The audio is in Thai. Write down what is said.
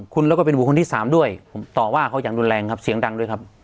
คุณแล้วก็เป็นบุคคลที่สามด้วยผมต่อว่าเขาอย่างรุนแรงครับเสียงดังด้วยครับ